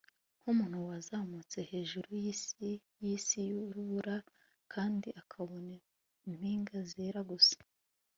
Nkumuntu wazamutse hejuru yisi yisi yurubura kandi akabona impinga zera gusa